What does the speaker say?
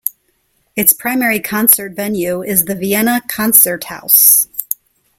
Its primary concert venue is the Vienna Konzerthaus.